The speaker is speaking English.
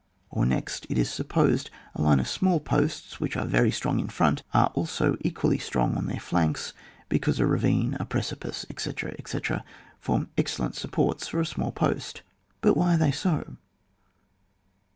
Or next it is supposed, a line of small posts, which are very strong in front, are also equally strong on their nanks, because a ravine, a precipice, etc., etc., form excel lent supports for a small post. But why are they so